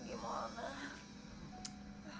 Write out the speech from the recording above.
abis itu gak dapet uang lagi